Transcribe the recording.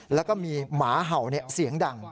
แล้วก็มีหมาเห่าเสียงดัง